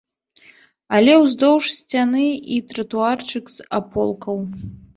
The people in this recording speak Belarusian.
Але ўздоўж сцяны і тратуарчык з аполкаў.